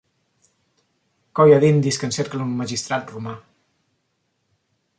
Colla d'indis que encerclen un magistrat romà.